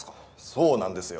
そうなんですよ